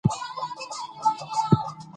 د تاریخ پړاوونه تکرارېږي.